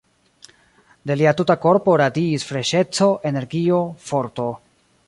De lia tuta korpo radiis freŝeco, energio, forto.